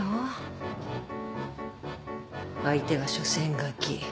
相手はしょせんガキ。